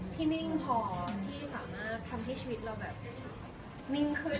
นิ่งพอที่สามารถทำให้ชีวิตเราแบบนิ่งขึ้น